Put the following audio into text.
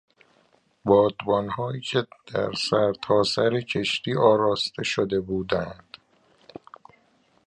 بادبانهایی که در سرتاسر کشتی آراسته شده بودند.